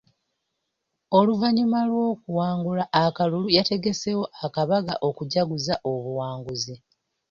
Oluvannyuma lw'okuwangula akalulu yategeseewo akabaga okujaguza obuwanguzi.